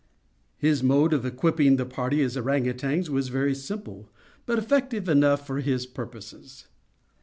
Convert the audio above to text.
His mode of equipping the party as ourang outangs was very simple, but effective enough for his purposes.